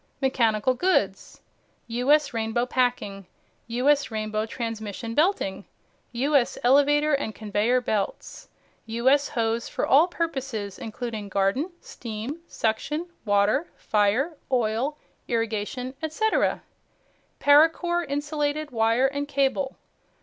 MECHANICAL GOODS "U.S." Rainbow Packing. "U.S." Rainbow Transmission Belting. "U.S." Elevator and Conveyor Belts. "U.S." Hose for all purposes, including Garden, Steam, Suction, Water, Fire, Oil, Irrigation, etc. Paracore Insulated Wire and Cable.